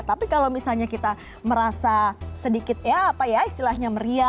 tapi kalau misalnya kita merasa sedikit ya apa ya istilahnya meriah